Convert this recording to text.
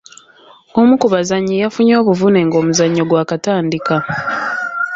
Omu ku bazannyi yafunye obuvune ng'omuzannyo gwakatandika.